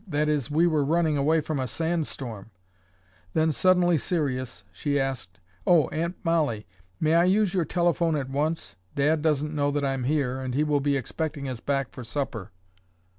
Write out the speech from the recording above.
"That is, we were running away from a sand storm." Then, suddenly serious, she asked, "Oh, Aunt Molly, may I use your telephone at once? Dad doesn't know that I'm here and he will be expecting us back for supper."